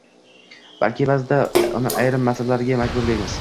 balki ba’zida uni ayrim narsalarga majburlaymiz.